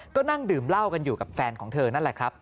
ก็นั่งดื่มเหล้ากันอยู่กับแฟนของเธอนั่นแหละครับ